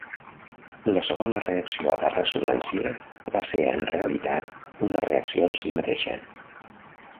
La segona reacció de ressonància va ser en realitat una reacció en si mateixa.